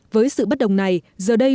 với sự bất đồng này giờ đây